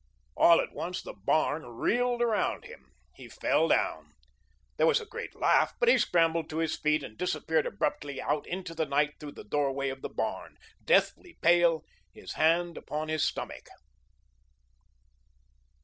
All at once the barn reeled around him; he fell down. There was a great laugh, but he scrambled to his feet and disappeared abruptly out into the night through the doorway of the barn, deathly pale, his hand upon his stomach.